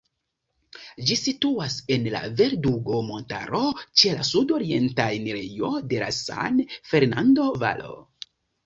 Ĝi situas en la Verdugo-montaro, ĉe la sudorienta enirejo de la San Fernando-valo.